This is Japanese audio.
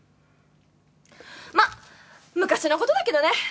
まっ昔のことだけどね。